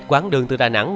quán đường từ đà nẵng